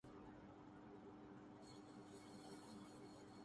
میرے ساتھ پنگا مت لو۔